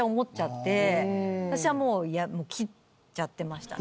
私はもう切っちゃってましたね。